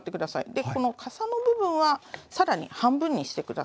でこのかさの部分は更に半分にして下さいね。